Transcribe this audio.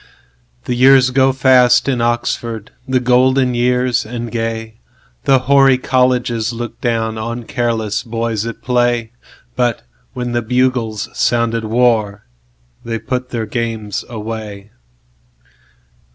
The years go fast in Oxford, The golden years and gay, The hoary Colleges look downOn careless boys at play. But when the bugles sounded warThey put their games away.